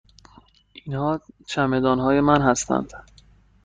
اینها چمدان های من هستند.